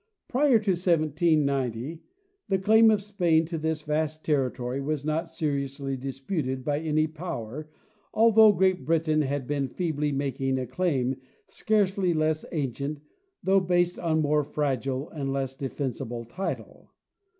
Prior to 1790 the claim of Spain to this vast territory was not seriously disputed by any power, although Great Britain had been feebly making a claim scarcely less ancient though based on a more fragile and less defensible title.